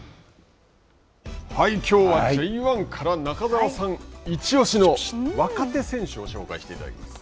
きょうはＪ１から中澤さんイチオシの若手選手を紹介していただきます。